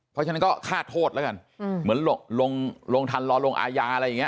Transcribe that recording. เพราะฉะนั้นก็ฆ่าโทษแล้วกันเหมือนลงทันรอลงอาญาอะไรอย่างนี้